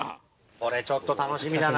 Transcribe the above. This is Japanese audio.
これちょっと楽しみだな。